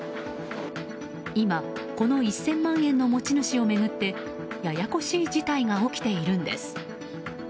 今、この１０００万円の持ち主を巡ってややこしい事態が起きているんです。